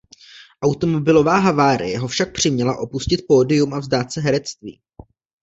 Automobilová havárie ho však přiměla opustit pódium a vzdát se herectví.